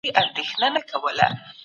سبا به ماشوم نوی درس پیل کړي.